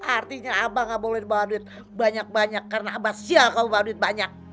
artinya abah gak boleh bawa duit banyak banyak karena abah sial kalau bawa duit banyak